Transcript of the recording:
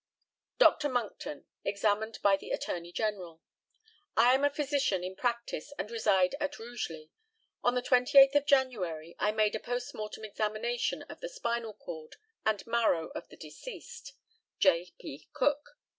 Dr. MONCKTON, examined by the ATTORNEY GENERAL: I am a physician in practice, and reside at Rugeley. On the 28th of January I made a post mortem examination of the spinal cord and marrow of the deceased, J. P. Cook.